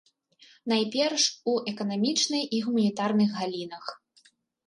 Найперш у эканамічнай і гуманітарных галінах.